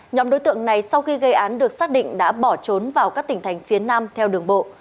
nhóm đối tượng này sau khi gây án được xác định đã bỏ trốn vào các tỉnh thành phía nam theo đường bộ